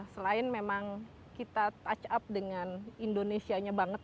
selain memang kita touch up dengan kondisi teater kita juga mengikuti konsep panggung